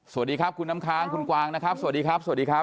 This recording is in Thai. สวัสดีครับคุณน้ำค้างคุณกวางนะครับสวัสดีครับสวัสดีครับ